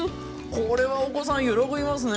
これはお子さん喜びますね。